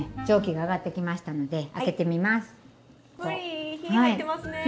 蒸気が上がってきましたので開けてみます。